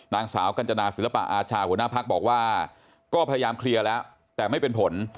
นางสาวกัญจนาศิลปะอาชาหัวหน้าพักบอกว่าก็พยายามเคลียร์แล้วแต่ไม่เป็นผล